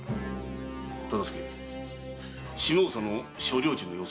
忠相下総の所領地の様子は？